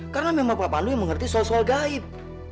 karena memang pak pandu yang mengerti soal soal gaib